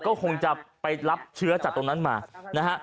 ก็คงจะไปรับเชื้อจากตรงนั้นมานะฮะ